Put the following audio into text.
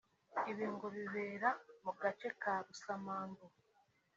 Ibi ngo bibera mu gace ka Rusamambu